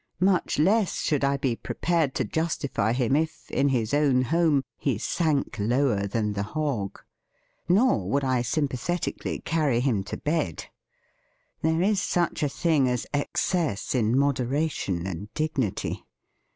Much less should I be prepared to justify him if, in his own home, he sank lower than the hog. Nor would I sympathetically THE FEAST OF ST FRIEND carry him to bed. There is such a thing as excess in moderation and dig nity.